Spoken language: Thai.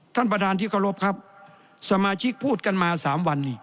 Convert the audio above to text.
ท่านประธานที่เคารพครับสมาชิกพูดกันมาสามวันนี้